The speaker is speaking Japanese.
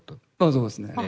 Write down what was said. そうですね。